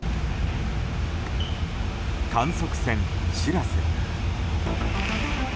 観測船「しらせ」。